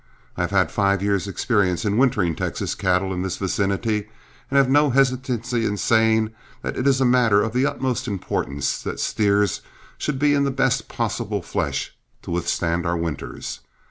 I have had five years' experience in wintering Texas cattle in this vicinity, and have no hesitancy in saying that it is a matter of the utmost importance that steers should be in the best possible flesh to withstand our winters.